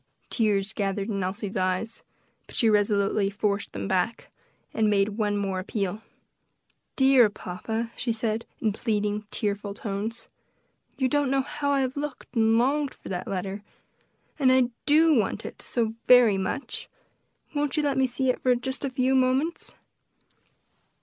Tears gathered in Elsie's eyes, but she resolutely forced them back, and made one more appeal. "Dear papa," she said, in pleading, tearful tones, "you don't know how I have looked and longed for that letter; and I do want it so very much; won't you let me see it just for a few moments?"